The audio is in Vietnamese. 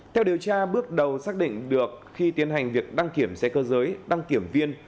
theo điều tra bước đầu xác định được khi tiến hành việc đăng kiểm xe cơ giới đăng kiểm viên